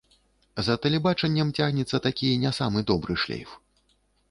За тэлебачаннем цягнецца такі не самы добры шлейф.